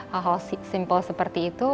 hal hal simpel seperti itu